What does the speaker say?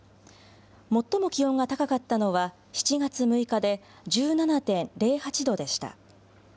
最も気温が高かったのは７月６日で１７．０８度でした。